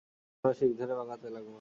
ফিরোজ জানালার শিক ধরে বাঁকাতে লাগল।